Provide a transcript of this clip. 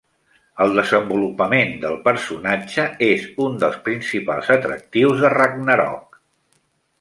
El desenvolupament del personatge és un dels principals atractius de "Ragnarok".